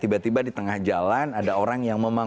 tiba tiba di tengah jalan ada orang yang memang